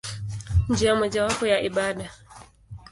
Njia mojawapo ya ibada.